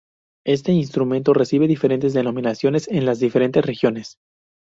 Este instrumento recibe diferentes denominaciones en las diferentes regiones.